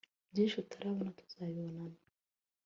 byinshi utarabona tuzabibonana